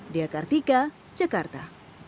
diakar tiga jakarta